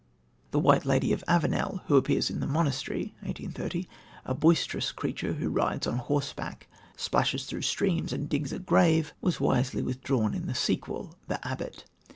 The White Lady of Avenel, who appears in The Monastery (1830) a boisterous creature who rides on horseback, splashes through streams and digs a grave was wisely withdrawn in the sequel, The Abbot.